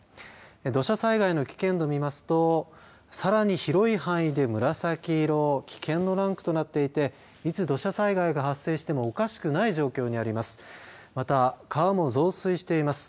土砂災害の危険度を見ますとさらに広い範囲で紫色危険のランクとなっていていつ土砂災害が発生してもおかしくない状況にあります。